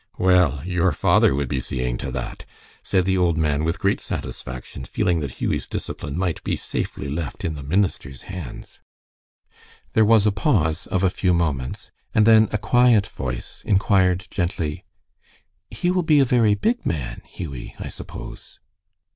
"Well, your father would be seeing to that," said the old man, with great satisfaction, feeling that Hughie's discipline might be safely left in the minister's hands. There was a pause of a few moments, and then a quiet voice inquired gently, "He will be a very big man, Hughie, I suppose."